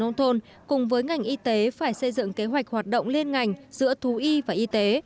nông thôn cùng với ngành y tế phải xây dựng kế hoạch hoạt động liên ngành giữa thú y và y tế